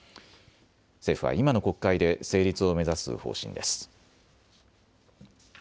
政府は今の国会で成立を目指す方針です。